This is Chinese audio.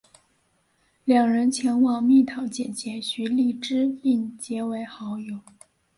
两人前往蜜桃姐姐徐荔枝并结为好友。